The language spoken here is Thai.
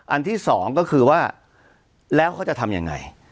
อันที่สองก็คือว่าแล้วเขาจะทำยังไง